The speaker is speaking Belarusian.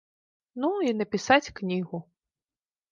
Ну, і напісаць кнігу.